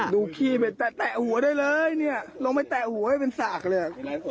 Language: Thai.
ดูขี้แตะหัวได้เลยลงไปแตะหัวให้เป็นศักดิ์เลย